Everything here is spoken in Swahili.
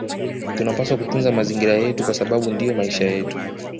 Tunapaswa kutunza mazingira yetu kwa sababu ndiyo maisha yetu